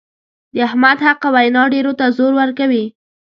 د احمد حقه وینا ډېرو ته زور ورکوي.